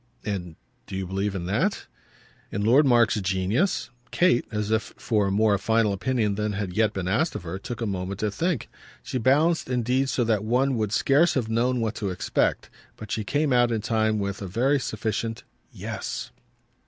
"And do you believe in that?" "In Lord Mark's genius?" Kate, as if for a more final opinion than had yet been asked of her, took a moment to think. She balanced indeed so that one would scarce have known what to expect; but she came out in time with a very sufficient "Yes!"